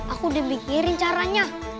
aku udah mikirin caranya